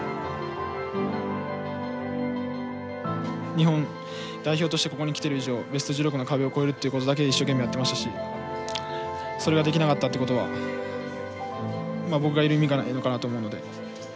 日本代表としてここに来てる以上ベスト１６の壁を越えるっていうことだけ一生懸命やってましたしそれができなかったってことはまあ僕がいる意味がないのかなと思うので。